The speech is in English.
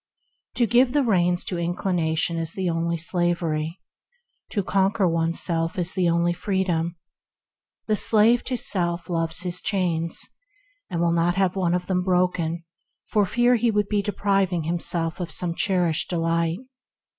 To give the reins to inclination is the only slavery; to conquer oneself the only freedom. The slave to self loves his chains, and will not have one of them broken for fear he should be depriving himself of some cherished delight.